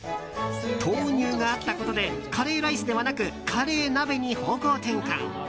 豆乳があったことでカレーライスではなくカレー鍋に方向転換。